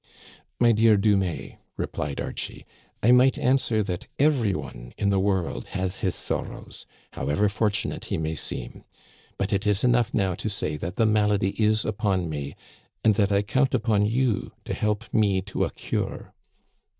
" My dear Dumais," replied Archie, " I might answer Digitized by VjOOQIC CONCLUSION. 277 that every one in the world has his sorrows, however fortunate he may seem ; but it is enough now to say that the malady is upon me, and that I count upon you to help me to a cure.